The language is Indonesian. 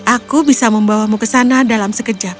aku bisa membawamu ke sana dalam sekejap